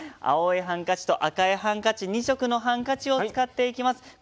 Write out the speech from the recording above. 青いハンカチと赤いハンカチ２色のハンカチを使っていきます。